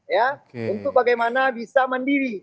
ya untuk bagaimana bisa mandiri